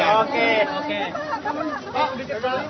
terima kasih pak